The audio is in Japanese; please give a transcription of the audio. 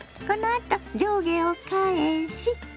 このあと上下を返し